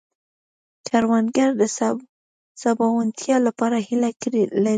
کروندګر د سباوونتیا لپاره هيله لري